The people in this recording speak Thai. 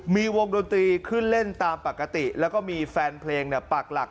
มีวงดนตรีขึ้นเล่นตามปกติแล้วก็มีแฟนเพลงปากหลัก